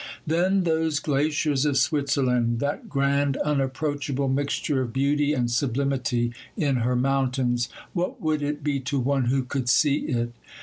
Then those glaciers of Switzerland, that grand, unapproachable mixture of beauty and sublimity in her mountains!—what would it be to one who could see it?